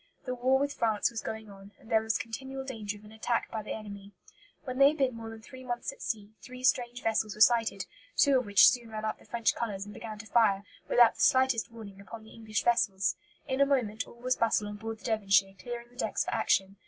The war with France was going on, and there was continual danger of an attack by the enemy. When they had been more than three months at sea, three strange vessels were sighted, two of which soon ran up the French colours and began to fire, without the slightest warning, upon the English vessels. In a moment all was bustle on board the Devonshire, clearing the decks for action.